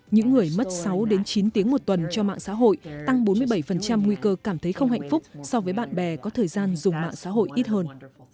những người mất sáu đến chín tiếng một tuần cho mạng xã hội tăng bốn mươi bảy nguy cơ cảm thấy không hạnh phúc so với bạn bè có thời gian dùng mạng xã hội ít hơn